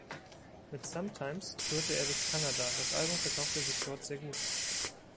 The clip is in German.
Mit "Sometimes" tourte er durch Kanada, das Album verkaufte sich dort sehr gut.